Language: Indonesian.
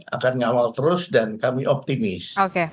akan ngawal terus dan kami optimis